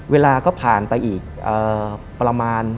เวลาก็ผ่านไปอีกประมาณ